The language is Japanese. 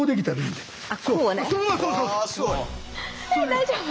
大丈夫？